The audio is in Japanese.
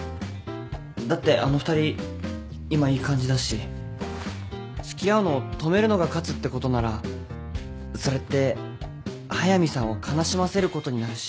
だってあの２人今いい感じだし付き合うのを止めるのが勝つってことならそれって速見さんを悲しませることになるし。